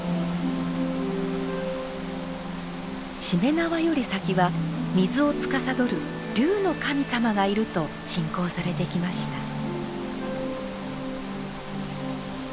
しめ縄より先は水をつかさどる龍の神様がいると信仰されてきました。